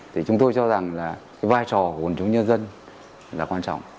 thì chúng tôi cho rằng là vai trò của quân chúng nhân dân là quan trọng